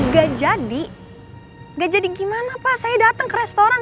gak jadi gak jadi gimana pak saya datang ke restoran